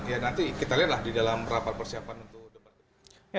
ya nanti kita lihatlah di dalam rapat persiapan untuk debat